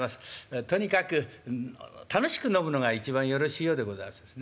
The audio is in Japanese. とにかく楽しく飲むのが一番よろしいようでございますですね。